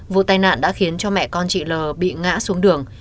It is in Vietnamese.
vụ tai nạn đã khiến cho mẹ con chị l bị ngã xuống đường